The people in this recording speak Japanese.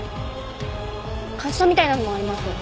滑車みたいなのもあります。